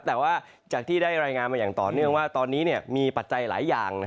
แต่ว่าจากที่ได้รายงานมาอย่างต่อเนื่องว่าตอนนี้มีปัจจัยหลายอย่าง